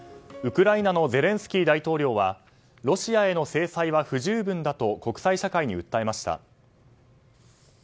ウクライナのゼレンスキー大統領はロシアへの制裁は不十分だと国際社会に訴えました。